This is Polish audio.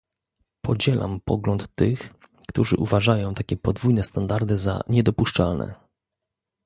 Podzielam pogląd tych, którzy uważają takie podwójne standardy za niedopuszczalne